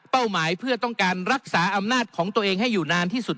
หมายเพื่อต้องการรักษาอำนาจของตัวเองให้อยู่นานที่สุด